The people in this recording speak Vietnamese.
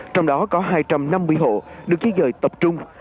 trong đó có hai trăm năm mươi hộ được di rời tập trung